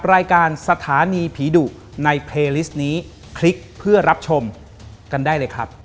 โปรดติดตามตอนต่อไป